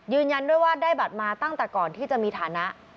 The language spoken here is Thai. ยืนยันด้วยว่าได้บัตรมาตั้งแต่ก่อนที่จะมีฐานะ